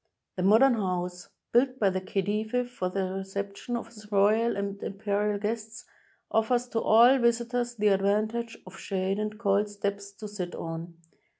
The modem house, built by the Khedive for the recep tion of his royal and imperial guests, offers to all visitors the advantage of shade and cold steps to sit on.